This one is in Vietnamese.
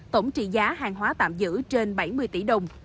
tổng trị giá hàng hóa tạm giữ trên bảy mươi tỷ đồng